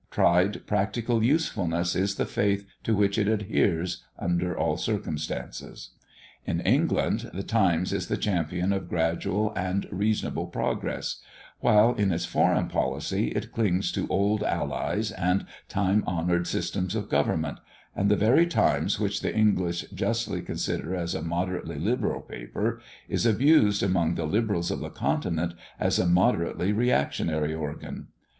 Tried practical usefulness is the faith to which it adheres under all circumstances. In England, the Times is the champion of gradual and reasonable progress; while, in its foreign policy, it clings to old allies and time honoured systems of government; and the very Times which the English justly consider as a moderately liberal paper, is abused among the liberals of the Continent as a moderately reactionary organ.